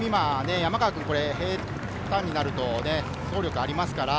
完全に山川君、平坦になると走力がありますから。